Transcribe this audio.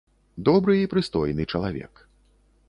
Добры і прыстойны чалавек.